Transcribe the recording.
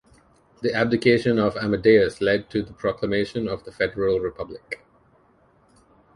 The abdication of Amadeus led to the proclamation of the federal republic.